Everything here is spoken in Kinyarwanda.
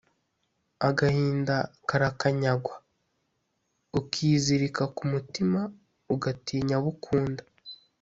agahinda karakanyagwa, ukizilika ku mutima, ugatinya abo ukunda